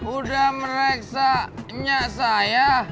udah mereksanya saya